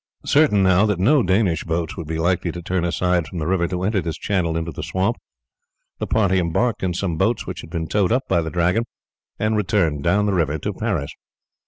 Certain now that no Danish boats would be likely to turn aside from the river to enter this channel into the swamp, the party embarked in some boats which had been towed up by the Dragon and returned down the river to Paris.